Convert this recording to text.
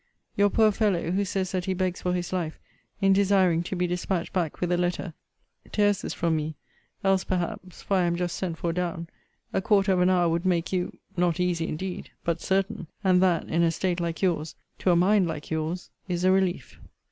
Your poor fellow, who says that he begs for his life, in desiring to be dispatched back with a letter, tears this from me else, perhaps, (for I am just sent for down,) a quarter of an hour would make you not easy indeed but certain and that, in a state like your's, to a mind like your's, is a relief.